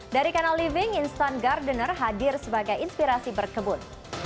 dari kanal living instant gardener hadir sebagai inspirasi berkebun